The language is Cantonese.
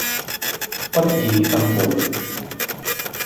不二法門